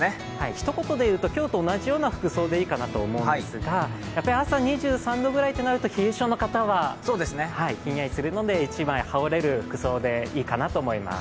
ひと言で言うと今日と同じような服装でいいかなと思うんですが２３度ぐらいってなると、冷え性の方は、ひんやりするので一枚羽織れる服装でいいかと思います。